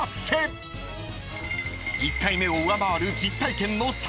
［１回目を上回る］